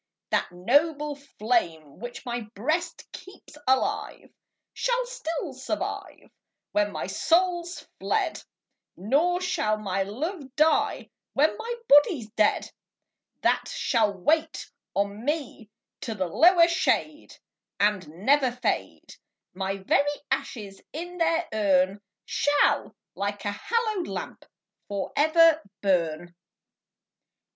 That noble flame, which my Ijreast keeps alive. Shall still survive Wlien my soul's fled ; Nor shall my love die, when ray Ijody's dead ; That shall wait on me to the lower shade, And never fade : My very ashes in their urn Shall, like a hallowed lamp, for ever burn.